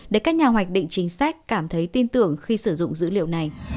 để các nhà hoạch định chính sách cảm thấy tin tưởng khi sử dụng dữ liệu này